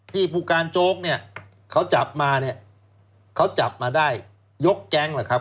ผู้การโจ๊กเนี่ยเขาจับมาเนี่ยเขาจับมาได้ยกแก๊งเหรอครับ